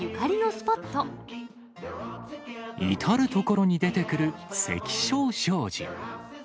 至る所に出てくる、関彰商事。